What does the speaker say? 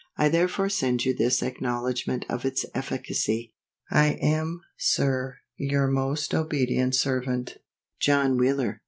I therefore send you this acknowledgment of its efficacy. I am, SIR, your most obedient servant, JOHN WHEELER.